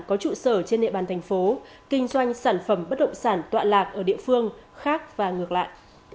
có trụ sở trên địa bàn thành phố kinh doanh sản phẩm bất động sản tọa lạc ở địa phương khác và ngược lại